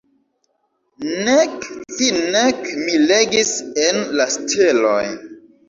Nek ci nek mi legis en la steloj.